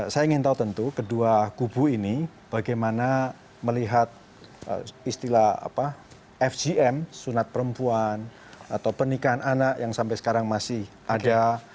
saya ingin tahu tentu kedua kubu ini bagaimana melihat istilah fgm sunat perempuan atau pernikahan anak yang sampai sekarang masih ada